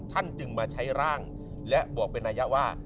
จึงมาใช้ร่างและบอกเป็นระยะว่า